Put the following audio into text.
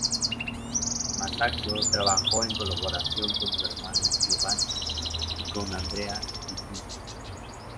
Masaccio trabajó en colaboración con su hermano Giovanni y con Andrea di Giusto.